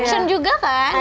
action juga kan